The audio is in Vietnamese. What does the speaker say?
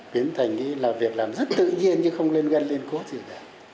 biến thành là việc làm rất tự nhiên chứ không lên gân lên cốt gì cả